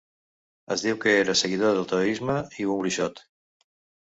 Es diu que era un seguidor del Taoisme i un bruixot.